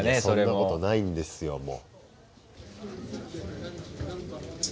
そんなことないんですよ。